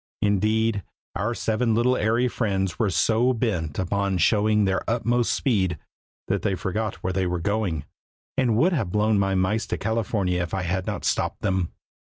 Indeed, our seven little airy friends were so bent upon showing their utmost speed that they forgot where they were going, and would have blown my mice to California if I had not stopped them.